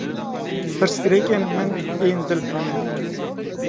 Pirsgirêkên min ên dil hene.